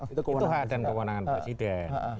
itu kewenangan dan kewenangan presiden